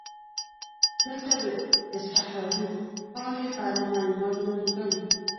دلته د استقراضي پانګې په اړه معلومات وړاندې کوو